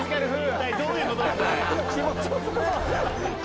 一体どういう事なんだい。